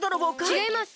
ちがいます！